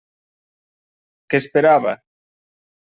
Què esperava?